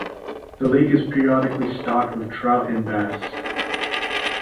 The lake is periodically stocked with trout and bass.